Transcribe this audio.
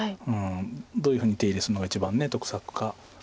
どういうふうに手入れするのが一番得策か。